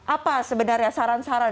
apa sebenarnya saran saran